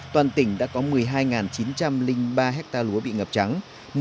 toàn tỉnh đã có một mươi hai chín trăm linh ba hectare lúa bị ngập trắng